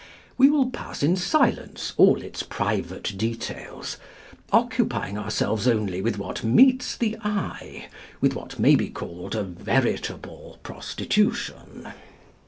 We will pass in silence all its private details, occupying ourselves only with what meets the eye, with what may be called a veritable prostitution."